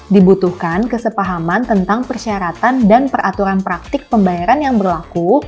dibutuhkan kesepahaman tentang persyaratan dan peraturan praktik pembayaran yang berlaku